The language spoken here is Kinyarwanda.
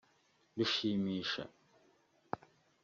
Rushimisha